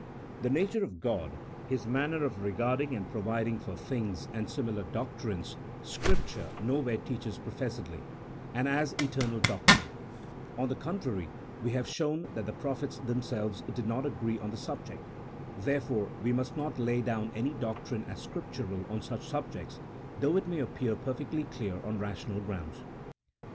The nature of God, His manner of regarding and pro viding for things, and similar doctrines, Scripture nowhere teaches professedly, and as eternal doctrine; on the con trary, we have shown that the prophets themselves did not agree on the subject; therefore, we must not lay down any doctrine as Scriptural on such subjects, though it may appear perfectly clear on rational grounds.